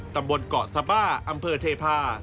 ตำบลเกาะสบ้าอำเภอเทพา